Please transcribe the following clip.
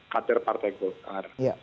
kader partai golkar